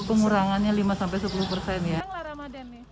pengurangannya lima sampai sepuluh persen ya